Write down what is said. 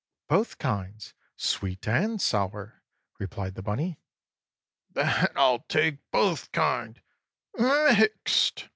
"Both kinds—Sweet and Sour," replied the bunny. "Then I'll take both kind—mixed!"